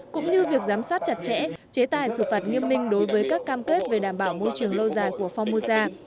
cũng như việc giám sát chặt chẽ chế tài sự phạt nghiêm minh đối với các cam kết về đảm bảo môi trường lâu dài của phong mua gia